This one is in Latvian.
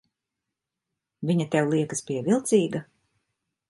Viņa tev liekas pievilcīga?